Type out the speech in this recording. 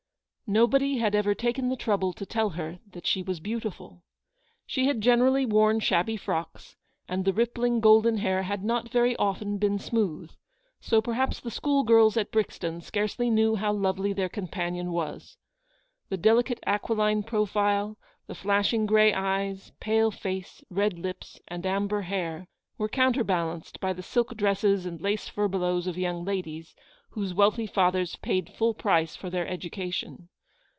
Nobody had ever taken the trouble to tell her that she was beautiful. She had generally worn shabby frocks, and the rippling golden hair had not very often been smooth; so perhaps the school girls at Brixton scarcely knew how lovely their companion was. The delicate aquiline profile, the flashing grey eyes, pale face, red lips, and amber hair, were counterbalanced by the silk dresses and lace furbelows of young ladies, whose wealthy fathers paid full price for their education.